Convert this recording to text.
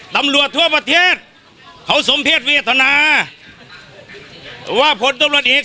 ตำรวจทั่วประเทศเขาสมเพศวิทยาธนาว่าผลต้นรถอีก